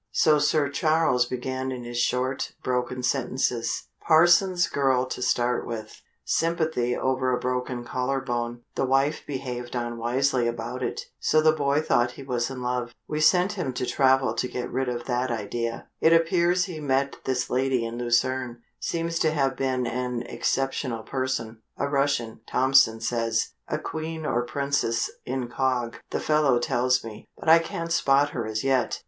So Sir Charles began in his short, broken sentences: "Parson's girl to start with sympathy over a broken collar bone. The wife behaved unwisely about it, so the boy thought he was in love. We sent him to travel to get rid of that idea. It appears he met this lady in Lucerne seems to have been an exceptional person a Russian, Tompson says a Queen or Princess incog., the fellow tells me but I can't spot her as yet.